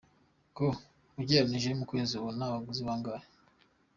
Q: Ugereranije ku kwezi mubona abaguzi bangahe?.